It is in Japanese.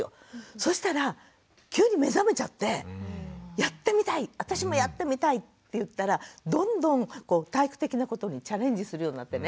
そしたら急に目覚めちゃってやってみたい私もやってみたいっていったらどんどん体育的なことにチャレンジするようになってね